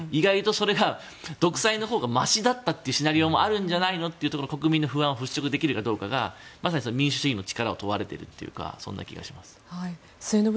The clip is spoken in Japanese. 意外とそれが独裁のほうがましだったというシナリオもあるんじゃないのと国民の不安を払しょくできるかどうかがまさに民主主義の力が問われているというかそんな気がします。